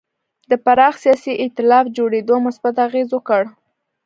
د پراخ سیاسي اېتلاف جوړېدو مثبت اغېز وکړ.